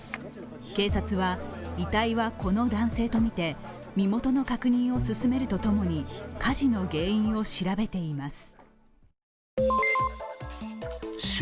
警察は、遺体はこの男性とみて身元の確認を進めるとともに火事の原因を調べています。